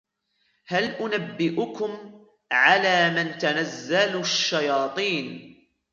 هَلْ أُنَبِّئُكُمْ عَلَى مَنْ تَنَزَّلُ الشَّيَاطِينُ